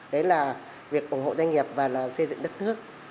đấy là việc ủng hộ doanh nghiệp và là xây dựng đất nước